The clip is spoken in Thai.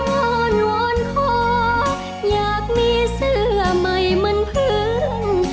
นอนวนคออยากมีเสื้อใหม่มันพึง